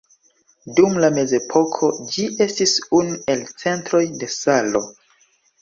Dum la mezepoko ĝi estis unu el centroj de salo.